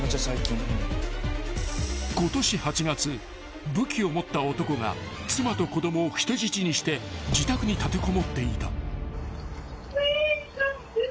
［ことし８月武器を持った男が妻と子供を人質にして自宅に立てこもっていた］